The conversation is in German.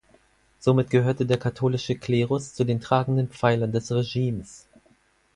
Somit gehörte der katholische Klerus zu den tragenden Pfeilern des Regimes.